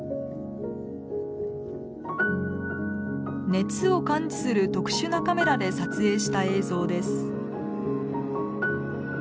熱を感知する特殊なカメラで撮影した映像です。